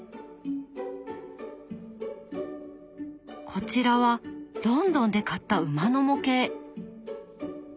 こちらはロンドンで買った馬の模型。